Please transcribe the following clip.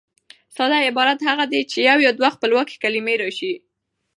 ساده عبارت هغه دئ، چي یوه یا دوې خپلواکي کلیمې راسي.